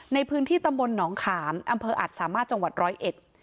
ในพื้นที่ตำบลหนองขามอำเภออัดสามารถจังหวัดร้อยเอ็ด